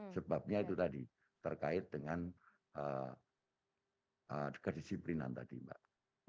sebabnya itu tadi terkait dengan kedisiplinan tadi mbak